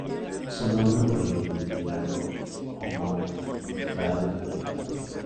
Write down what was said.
Su nombre proviene del lago homónimo, ubicado en el departamento.